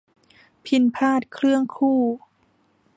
พิณพาทย์เครื่องคู่